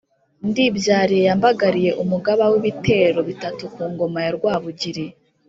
Ndibyaliye ya Mbagaliye Umugaba w’ibitero bitatu ku ngoma ya Rwabugili)